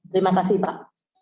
terima kasih pak